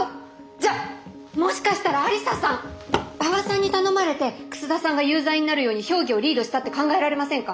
じゃあもしかしたら愛理沙さん馬場さんに頼まれて楠田さんが有罪になるように評議をリードしたって考えられませんか？